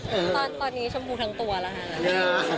ตอนนี้ชมพูทั้งตัวแล้วค่ะ